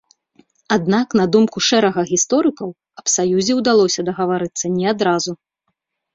Аднак, на думку шэрага гісторыкаў, аб саюзе ўдалося дагаварыцца не адразу.